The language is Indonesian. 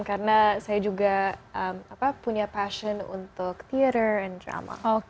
karena saya juga punya passion untuk theater and drama